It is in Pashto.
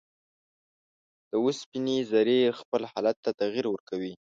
د اوسپنې ذرې خپل حالت ته تغیر ورکوي.